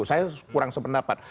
saya kurang sependapat